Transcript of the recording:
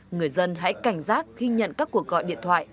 người dân hãy cảnh giác khi nhận các cuộc gọi điện thoại